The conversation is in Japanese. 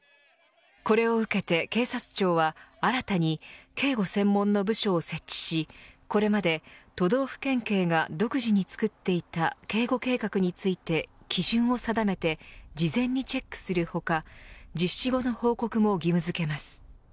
これを受けて警察庁は新たに警護専門の部署を設置しこれまで都道府県警が独自に作っていた警護計画について、基準を定めて事前にチェックする他実施後の報告も義務付けます。